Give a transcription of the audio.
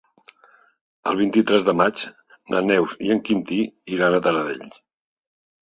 El vint-i-tres de maig na Neus i en Quintí iran a Taradell.